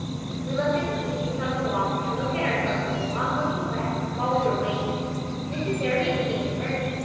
We looked at the paintings on the wall and looked at ourselves in the long looking glass, while we were waiting. Mrs. Irving came in first.